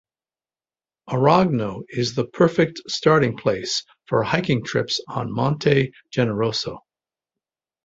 Arogno is the perfect starting place for hiking trips on Monte Generoso.